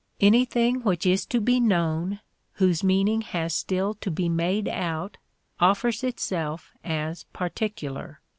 Anything which is to be known, whose meaning has still to be made out, offers itself as particular.